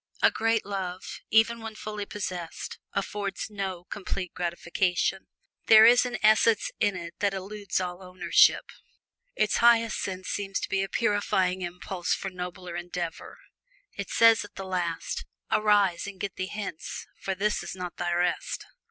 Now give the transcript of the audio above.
A great love, even when fully possessed, affords no complete gratification. There is an essence in it that eludes all ownership. Its highest use seems to be a purifying impulse for nobler endeavor. It says at the last, "Arise, and get thee hence, for this is not thy rest."